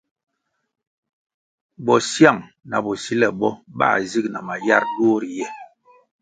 Bosyang na bosile bo bā zig na mayar duo riye.